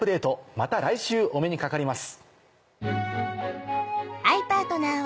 また来週お目にかかります。